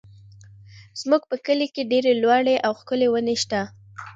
زموږ په کلي کې ډېرې لوړې او ښکلې ونې شته دي.